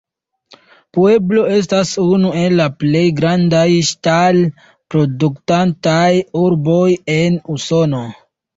Pueblo estas unu el la plej grandaj ŝtal-produktantaj urboj en Usono.